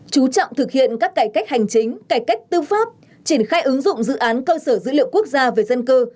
chú trọng thực hiện các cải cách hành chính cải cách tư pháp triển khai ứng dụng dự án cơ sở dữ liệu quốc gia về dân cư